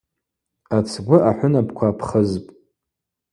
Ацгвы ахӏвынапква апхызпӏ.